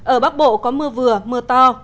ở bắc bộ có mưa vừa mưa to